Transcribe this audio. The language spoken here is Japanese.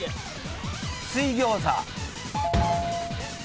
水餃子。